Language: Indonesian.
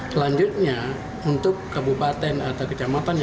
selanjutnya untuk kabupaten atau kecamatan